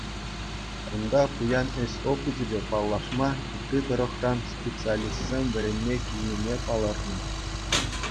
Кунта пуян ӗҫ опычӗпе паллашма ытти тӑрӑхран специалистсем вӗренме килнине палӑртнӑ.